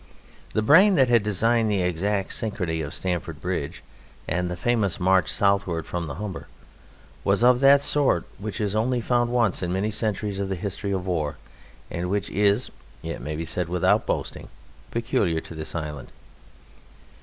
The brain that had designed the exact synchrony of Stamford Bridge and the famous march southward from the Humber was of that sort which is only found once in many centuries of the history of war and which is (it may be said without boasting) peculiar to this island.